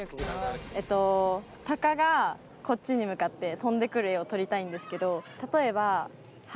タカがこっちに向かって飛んでくる画を撮りたいんですけど。